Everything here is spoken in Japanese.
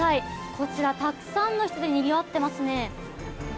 こちらたくさんの人でにぎわっていますね。